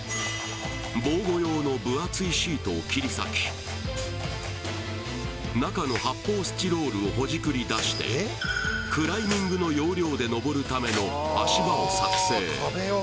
防護用の分厚いシートを切り裂き中の発泡スチロールをほじくり出してクライミングの要領で登るための